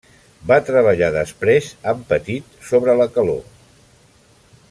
Va treballar després amb Petit sobre la calor.